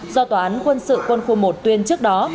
do tòa án quân sự quân khu một tuyên trước đó